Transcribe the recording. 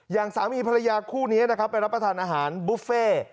อย่างสามีภรรยาคู่นี้นะครับไปรับประทานอาหารบุฟเฟ่